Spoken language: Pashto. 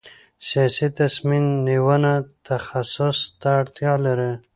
سیاسي تصمیم نیونه تخصص ته اړتیا لري